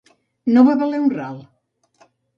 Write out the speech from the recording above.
No valer un ral.